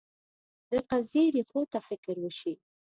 د قضیې ریښو ته فکر وشي.